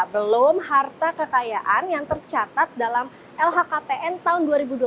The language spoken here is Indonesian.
belum harta kekayaan yang tercatat dalam lhkpn tahun dua ribu dua puluh